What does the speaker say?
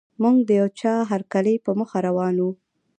موږ د یوه چا هرکلي په موخه روان وو.